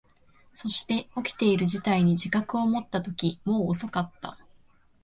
そして、起きている事態に自覚を持ったとき、もう遅かった。